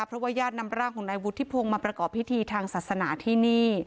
เพราะว่าญาตินำร่างของนายวุฒิพงศ์มาประกอบพิธีทางศาสนาที่นี่